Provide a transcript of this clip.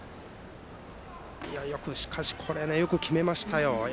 しかし、これはよく決めましたよ。